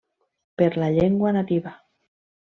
Per la llengua nativa!